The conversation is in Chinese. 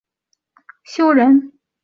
张懋修人。